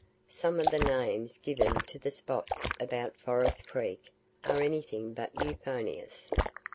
Some of the names given to the spots about Forest Creek are anything but euphonious.